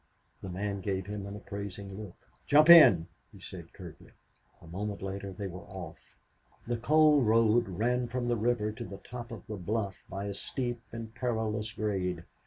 The man gave him an appraising look. "Jump in," he said curtly. A moment later they were off. The coal road ran from the river to the top of the bluff by a steep and perilous grade.